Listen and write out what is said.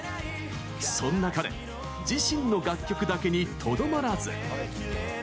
そんな彼、自身の楽曲だけにとどまらず。